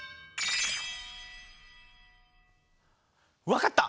分かった！